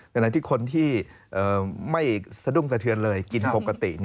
ไหนที่คนที่ไม่สะดุ้งสะเทือนเลยกินปกติ